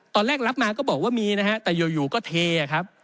ตอนแรกรับมาก็บอกว่ามีนะฮะแต่อยู่ก็เทครับ